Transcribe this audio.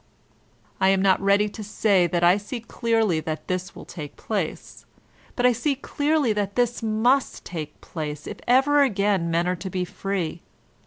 I am not ready to say that I see de&rly that this will take place ; but I see clearly that this must take place if ever again men are to be free.